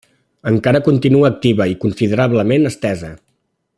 Encara continua activa i considerablement estesa.